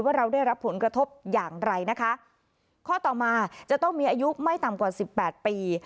เราได้รับผลกระทบอย่างไรนะคะข้อต่อมาจะต้องมีอายุไม่ต่ำกว่าสิบแปดปี